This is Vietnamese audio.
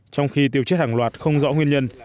trong khi tiêu chết hàng loạt không rõ nguyên nhân